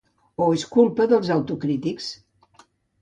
Ho és la culpa dels autocrítics.